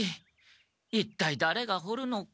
一体だれが掘るのか？